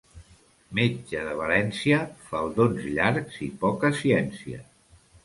Metge de València, faldons llargs i poca ciència.